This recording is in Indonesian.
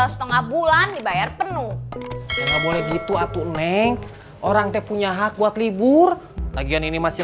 setengah bulan dibayar penuh nggak boleh gitu aku neng orang teh punya hak buat libur lagian ini masih